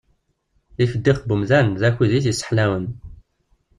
Ifeddix n umdan d akud i t-sseḥlawen.